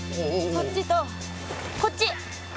そっちとこっち。